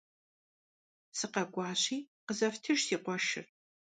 СыкъэкӀуащи, къызэфтыж си къуэшыр.